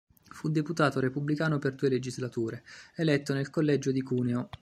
Fu deputato repubblicano per due legislature, eletto nel collegio di Cuneo.